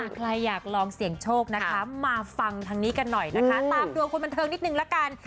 ใครอยากลองเสี่ยงโชคนะคะมาฟังทางนี้กันหน่อยนะคะตามดวงคนบันเทิงนิดนึงละกัน